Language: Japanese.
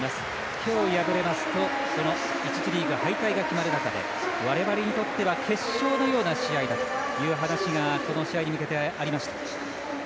今日敗れますと１次リーグ敗退が決まる中で我々にとっては決勝のような試合だという話がこの試合に向けてありました。